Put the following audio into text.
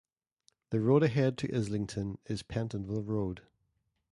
The road ahead to Islington is Pentonville Road.